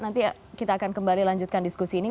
nanti kita akan kembali lanjutkan diskusi ini